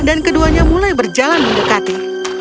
dan keduanya mulai berjalan mendekati